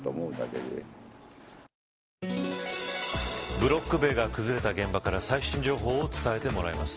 ブロック塀が崩れた現場から最新情報を伝えてもらいます。